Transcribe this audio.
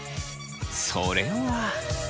それは。